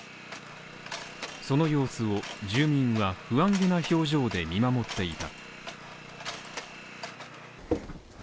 その様子を、住人が不安げな表情で見守っていた。